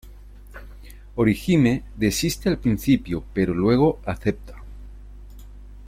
Orihime desiste al principio pero luego acepta.